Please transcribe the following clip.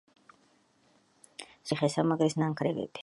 სოფელში შემორჩენილია ციხესიმაგრის ნანგრევები.